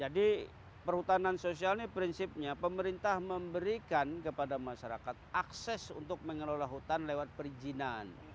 jadi perhutanan sosial ini prinsipnya pemerintah memberikan kepada masyarakat akses untuk mengelola hutan lewat perizinan